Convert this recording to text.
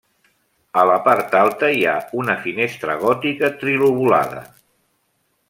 A la part alta hi ha una finestra gòtica trilobulada.